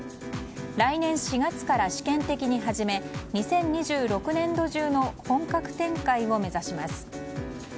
来年４月から試験的に始め２０２６年度中の本格展開を目指します。